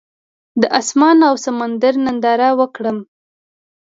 د اسمان او سمندر ننداره وکړم.